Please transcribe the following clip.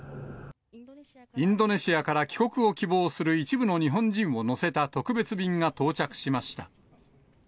インドネシアから帰国を希望する一部の日本人を乗せた特別便が到着しました。